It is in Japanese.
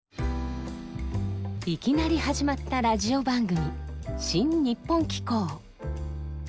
いきなり始まったラジオ番組「シン・にっぽん聴こう！」。